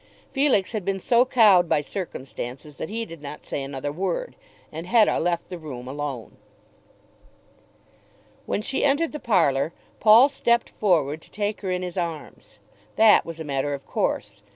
Felix had been so cowed by circumstances that he did not say another word, and Hetta left the room alone. When she entered the parlour Paul stept forward to take her in his arms. That was a matter of course.